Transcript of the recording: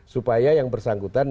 supaya yang bersangkutan